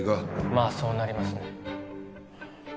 まあそうなりますね。